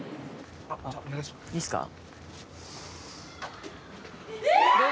いいですか。